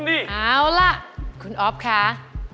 เอาล่ะคุณอ๊อฟคะ